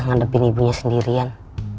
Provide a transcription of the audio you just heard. ngadepin ibunya sendirian